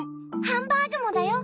ハンバーグもだよ！